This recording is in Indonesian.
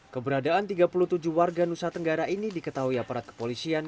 keberadaan tiga puluh tujuh warga nusa tenggara ini diketahui aparat kepolisian